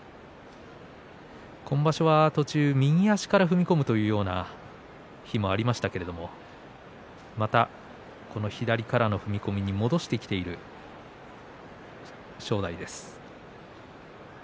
今場所は右足から踏み込む日もありましたけれどもまた、この左からの踏み込みに戻してきている正代です。